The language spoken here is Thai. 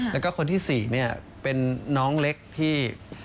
แล้วก็คนที่สี่เนี่ยเป็นน้องเล็กที่